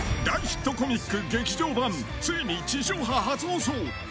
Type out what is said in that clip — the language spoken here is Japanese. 大ヒットコミック劇場版ついに地上波初放送。